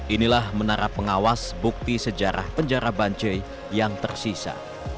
inilah menara pengawas bukti sejarah penjara bancai yang tersisa